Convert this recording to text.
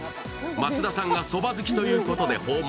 松田さんが、そば好きということで訪問。